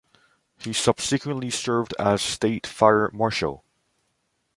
He subsequently served as state fire marshal.